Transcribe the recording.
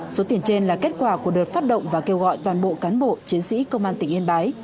số tiền trên là kết quả của đợt phát động và kêu gọi toàn bộ cán bộ chiến sĩ công an tỉnh yên bái